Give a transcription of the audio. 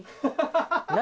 何？